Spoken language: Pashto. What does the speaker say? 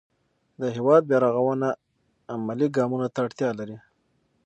د هېواد بیا رغونه عملي ګامونو ته اړتیا لري.